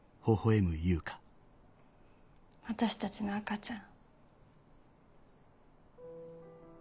私たちの赤ちゃん。